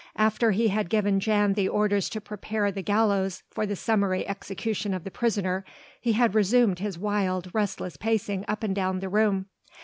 After he had given Jan the orders to prepare the gallows for the summary execution of the prisoner he had resumed his wild, restless pacing up and down the room.